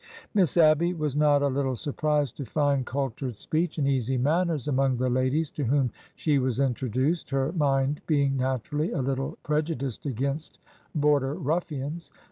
Miss Abby was not a little surprised to find cultured speech and easy manners among the ladies to whom she was introduced, her mind being naturally a little preju diced against border ruffians."